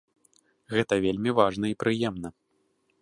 Гэта вельмі важна і прыемна.